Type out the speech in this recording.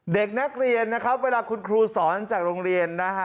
เด็กนักเรียนนะครับเวลาคุณครูสอนจากโรงเรียนนะฮะ